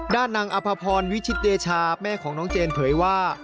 ด้านนางอภพรวิชิตเดชาแม่ของน้องเจนเผยว่า